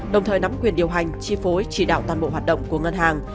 đồng thời nắm quyền điều hành chi phối chỉ đạo toàn bộ hoạt động của ngân hàng